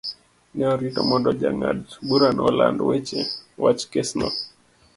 Ne orito mondo jang'ad-burano oland wach kesno.